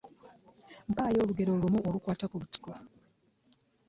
Mpaayo olugero lumu olukwata ku butiko.